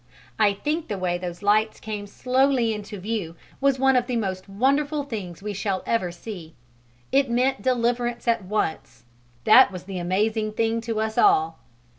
I think the way those lights came slowly into view was one of the most wonderful things we shall ever see. It meant deliverance at once: that was the amazing thing to us all.